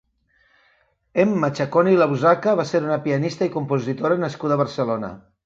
Emma Chacón i Lausaca va ser una pianista i compositora nascuda a Barcelona.